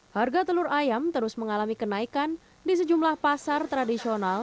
harga telur ayam terus mengalami kenaikan di sejumlah pasar tradisional